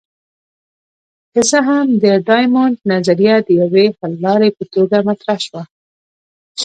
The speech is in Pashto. که څه هم د ډایمونډ نظریه د یوې حللارې په توګه مطرح شوه.